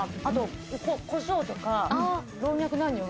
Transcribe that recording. あとこしょうとか。